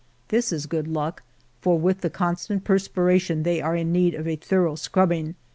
This is good luck, for with the con stant perspiration they are in need of a thorough scrubbing.